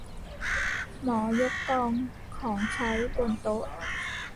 หมอยกกองของใช้บนโต๊ะ